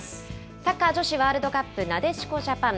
サッカー女子ワールドカップ、なでしこジャパン。